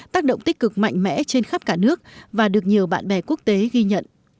tác động tích cực mạnh mẽ trên khắp cả nước và được nhiều bạn bè quốc tế ghi nhận